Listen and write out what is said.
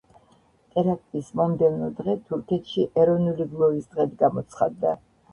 ტერაქტის მომდევნო დღე, თურქეთში ეროვნული გლოვის დღედ გამოცხადდა.